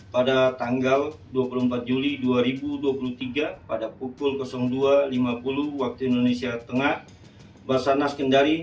pada tanggal dua puluh empat juli dua ribu dua puluh tiga pada pukul dua lima puluh waktu indonesia tengah basarnas kendari